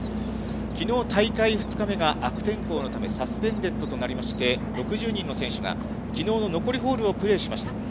きのう大会２日目が悪天候のためサスペンデッドとなりまして、６０人の選手が、きのうの残りホールをプレーしました。